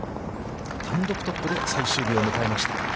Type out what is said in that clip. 単独トップで最終日を迎えました。